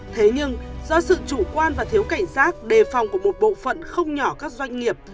thế nhưng do sự chủ quan và thiếu cảnh giác đề phòng của một bộ phận không nhỏ các doanh nghiệp